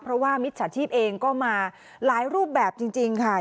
เพราะว่ามิจฉาชีพเองก็มาหลายรูปแบบจริงค่ะ